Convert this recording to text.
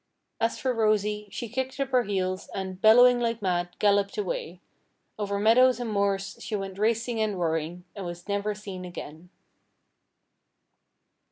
As for Rosy, she kicked up her heels, and, bellowing like mad, galloped away. Over meadows and moors she went racing and roaring, and was never seen again.